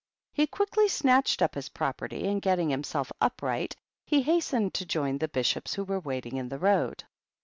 He quickly snatched up his property, and getting himself upright, he hastened to join the Bishops, who were waiting in the road.